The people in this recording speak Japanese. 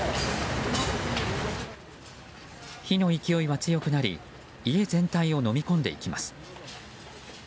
火の勢いは強くなり家全体をのみ込んでいきます。